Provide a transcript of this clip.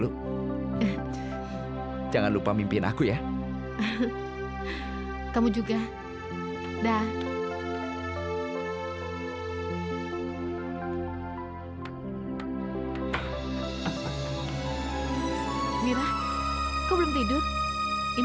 pagi itu aku lagi masak nasi